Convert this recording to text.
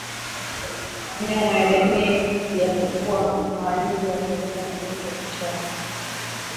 Mnyama mwenye jamii ya mbwa mara nyingi huathirika na ugonjwa wa kichaa#